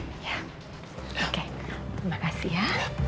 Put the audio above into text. oke terima kasih ya